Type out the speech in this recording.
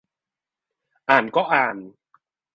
อ่านก็อ่าน